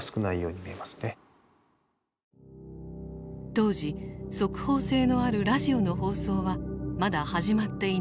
当時速報性のあるラジオの放送はまだ始まっていなかった。